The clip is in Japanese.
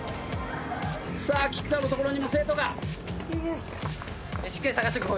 さあ菊田のところにも生徒が。